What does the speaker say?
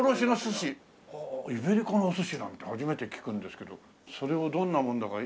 イベリコのお寿司なんて初めて聞くんですけどそれをどんなもんだか。